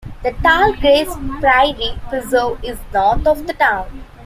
The Tallgrass Prairie Preserve is north of the town.